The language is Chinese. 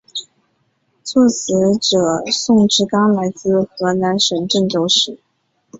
词作者宋志刚来自河南省郑州市。